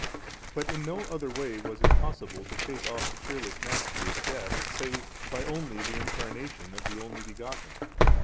But in no other way was it possible to shake off the cheerless mastery of death save by only the Incarnation of the Only Begotten.